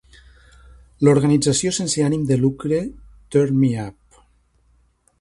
La organització sense ànim de lucre Turn me Up!